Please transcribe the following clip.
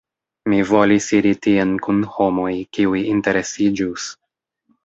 Mi volis iri tien kun homoj, kiuj interesiĝus.